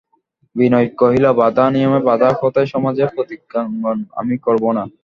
বিনয় কহিল, বাঁধা নিয়মে বাঁধা কথায় সমাজে প্রতিজ্ঞাগ্রহণ আমি করব না।